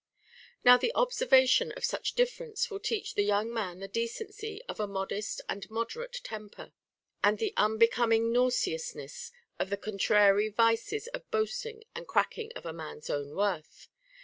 Now the observation of such difference will teach the young man the decency of a modest and moderate temper, and the unbecoming nauseousness of the contrary vices of boasting and cracking of a mans own worth.